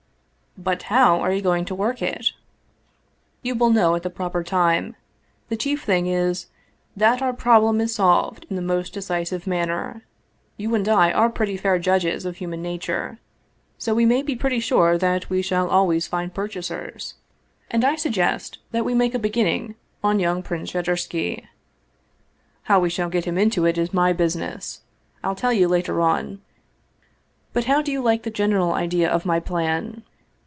" But how are you going to work it?" " You will know at the proper time. The chief thing is, that our problem is solved in the most decisive manner. You and I are pretty fair judges of human nature, so we may be pretty sure that we shall always find purchasers, 227 Russian Mystery Stories and I suggest that we make a beginning on young Prince Shadursky. How we shall get him into it is my business. I'll tell you later on. But how do you like the general idea of my plan?"